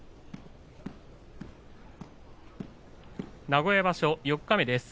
名古屋場所、四日目です。